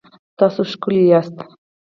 تاسو ښکلي یاست